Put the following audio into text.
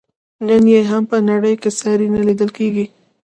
نن یې هم په نړۍ کې ساری نه لیدل کیږي.